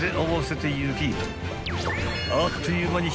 ［あっという間に］